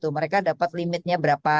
mereka dapat limitnya berapa